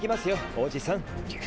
おじさん。